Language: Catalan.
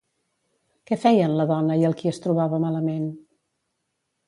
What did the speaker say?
Què feien la dona i el qui es trobava malament?